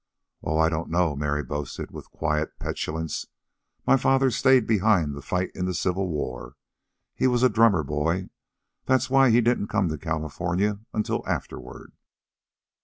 "Oh, I don't know," Mary boasted with quiet petulance. "My father stayed behind to fight in the Civil War. He was a drummer boy. That's why he didn't come to California until afterward."